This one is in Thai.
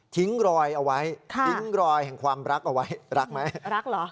รอยเอาไว้ทิ้งรอยแห่งความรักเอาไว้รักไหมรักเหรอ